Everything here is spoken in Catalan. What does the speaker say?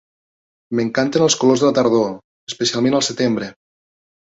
M'encanten els colors de la tardor, especialment al setembre